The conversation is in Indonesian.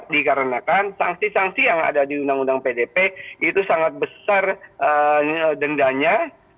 dikarenakan sanksi sanksi yang ada di undang undang pdp itu sangat besar dendanya